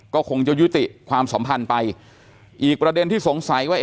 ก็คงจะยุติความสัมพันธ์ไปอีกประเด็นที่สงสัยว่า